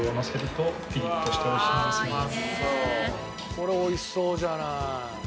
これ美味しそうじゃない。